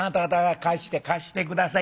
貸して貸して下さい。